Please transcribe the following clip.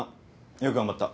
よく頑張った。